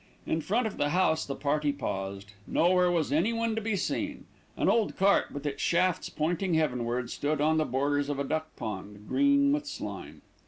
In front of the house the party paused. Nowhere was anyone to be seen. An old cart with its shafts pointing heavenward stood on the borders of a duck pond, green with slime.